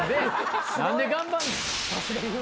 何で頑張んねん。